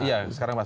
iya sekarang pak